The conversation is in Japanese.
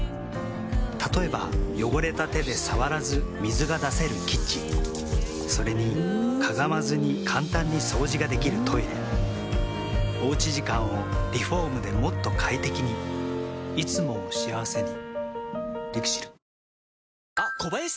例えば汚れた手で触らず水が出せるキッチンそれにかがまずに簡単に掃除ができるトイレおうち時間をリフォームでもっと快適にいつもを幸せにＬＩＸＩＬ。